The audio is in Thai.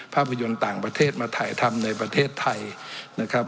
ภาพยนตร์ต่างประเทศมาถ่ายทำในประเทศไทยนะครับ